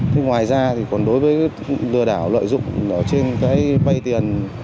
thế ngoài ra thì còn đối với lừa đảo lợi dụng ở trên cái vay tiền